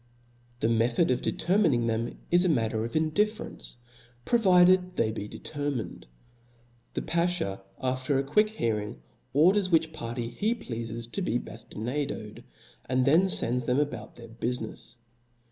The method of determining them is a matter of indifference, provided they be determined. The ba(haw, after a quick hearing, orders which party he pleafes to be baftinadoed, and then fends them about their bulinefs.